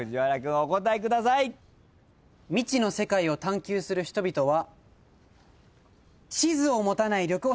「未知の世界を探求する人々は」